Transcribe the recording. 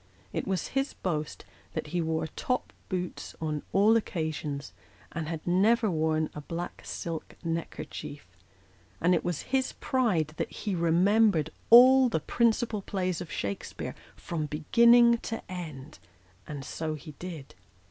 It was his boast that he wore top boots on all occasions, and had never worn a black silk neckerchief; and it was his pride that he remembered all the principal plays of Shakspcare from beginning to end and so ho did.